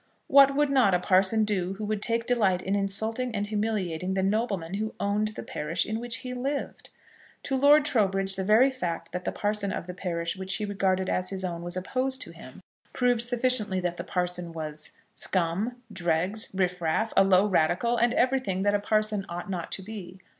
What would not a parson do who would take delight in insulting and humiliating the nobleman who owned the parish in which he lived? To Lord Trowbridge the very fact that the parson of the parish which he regarded as his own was opposed to him, proved sufficiently that that parson was, scum, dregs, riff raff, a low radical, and everything that a parson ought not to be.